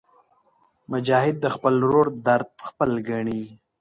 مجاهد د خپل ورور درد خپل ګڼي.